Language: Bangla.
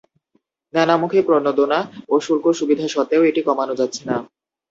নানামুখী প্রণোদনা ও শুল্ক সুবিধা সত্ত্বেও এটি কমানো যাচ্ছে না।